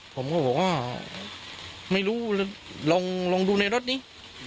ผมก็บอกว่าไม่รู้ลองดูในรถนี้